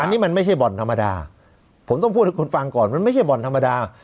อันนี้มันไม่ใช่บ่อนธรรมดาผมต้องพูดให้คุณฟังก่อนมันไม่ใช่บ่อนธรรมดา